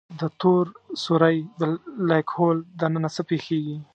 د تور سوری Black Hole دننه څه پېښېږي؟